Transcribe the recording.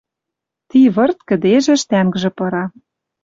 Ти вырт кӹдежӹш тӓнгжӹ пыра —